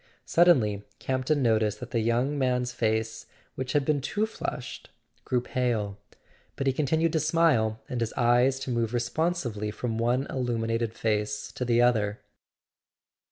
Suddenly Campton noticed that the young man's face, which had been too flushed, grew pale; but he continued to smile, and his eyes to move responsively from one illuminated face to the other.